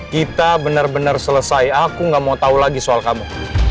kita bener bener selesai aku gak mau tau lagi soal kamu